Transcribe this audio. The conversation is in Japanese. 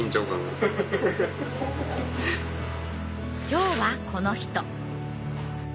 今日はこの人。